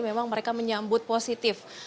memang mereka menyambut positif